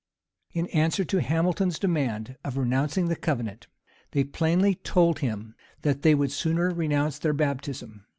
In answer to Hamilton's demand of renouncing the covenant, they plainly told him that they would sooner renounce their baptism.